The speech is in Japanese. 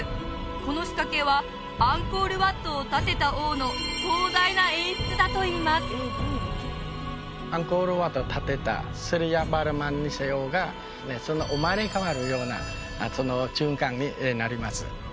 この仕掛けはアンコール・ワットを建てた王の壮大な演出だといいますアンコール・ワットを建てたスーリヤヴァルマン２世王が生まれ変わるような循環になります